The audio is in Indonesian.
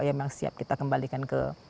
yang memang siap kita kembalikan ke